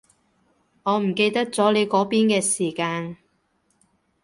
我唔記得咗你嗰邊嘅時間